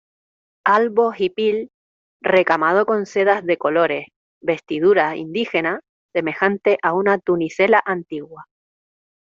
albo hipil recamado con sedas de colores, vestidura indígena semejante a una tunicela antigua